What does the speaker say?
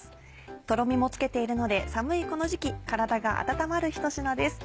トロミもつけているので寒いこの時期体が温まるひと品です。